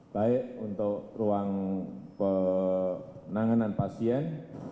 baik untuk ruang penanganan pasien